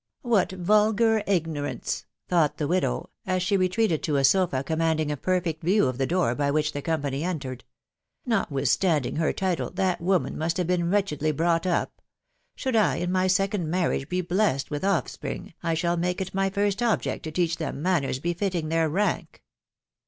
" What vulgar ignorance !" thought the widow, as she retreated to a sofa commanding a perfect view of the door by which the company entered. .•." Notwithstanding her title, that woman must have been wretchedly brought up .... Should I in my second marriage be blessed with offspring, I shall make it my first object to teach them manners befitting their rank."